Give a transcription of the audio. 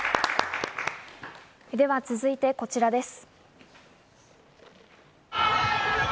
続いてこちらです。